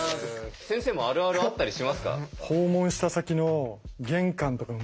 先生もあるあるあったりしますか？